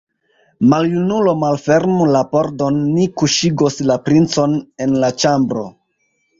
Maljunulo, malfermu la pordon, ni kuŝigos la princon en la ĉambro!